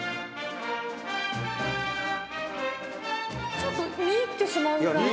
ちょっと見入ってしまうぐらい。